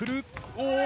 お！